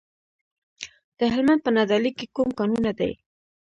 د هلمند په نادعلي کې کوم کانونه دي؟